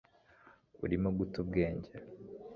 urimo guta ubwenge